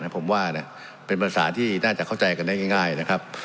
ผมว่าเป็นภาษาที่น่าจะเข้าใจกันได้ง่ายนะครับ